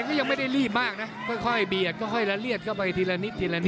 ก็ยังไม่ได้รีบมากนะค่อยเบียดค่อยละเลียดเข้าไปทีละนิดทีละนิด